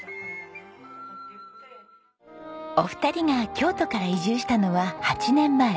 お二人が京都から移住したのは８年前。